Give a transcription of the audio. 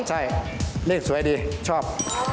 ใช่เลขสวยดีชอบ